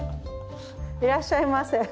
いらっしゃいませ。